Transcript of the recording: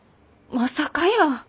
まさかやー。